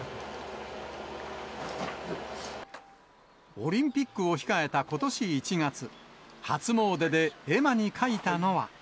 オリンピックを控えたことし１月、初詣で絵馬に書いたのは。